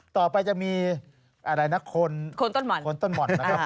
ต่อไปจะมีคนต้นหม่อนนะครับ